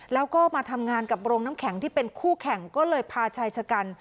แล้วก็มาทำงานกับโรงน้ำแข็งที่เป็นคู่แข่งก็เลยพาชายชะกัน